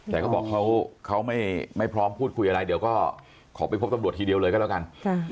แต่เขาบอกเขาไม่พร้อมพูดคุยอะไรเดี๋ยวก็ขอไปพบตำรวจทีเดียวเลยก็แล้วกัน